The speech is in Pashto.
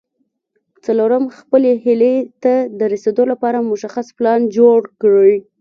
څلورم خپلې هيلې ته د رسېدو لپاره مشخص پلان جوړ کړئ.